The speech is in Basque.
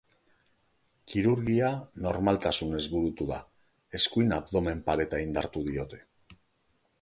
Kirurgia normaltasunez burutu da, eskuin abdomen-pareta indartu diote.